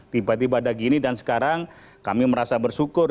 tiba tiba ada gini dan sekarang kami merasa bersyukur